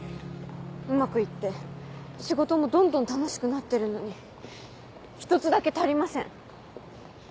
うまく行って仕事もどんどん楽しくなってるのに一つだけ足りません。